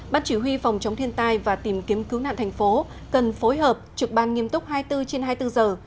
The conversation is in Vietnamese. ban chỉ huy phòng chống thiên tai và tìm kiếm cứu nạn thành phố cần phối hợp trực ban nghiêm túc hai mươi bốn trên hai mươi bốn giờ